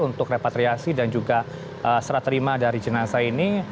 untuk repatriasi dan juga serat terima dari jenazah ini